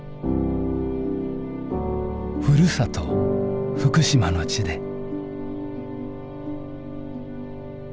ふるさと福島の地で。